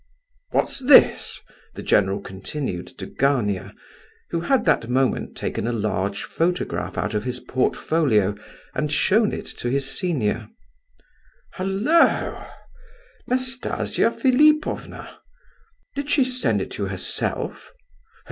What's this?" the general continued to Gania, who had that moment taken a large photograph out of his portfolio, and shown it to his senior. "Halloa! Nastasia Philipovna! Did she send it you herself?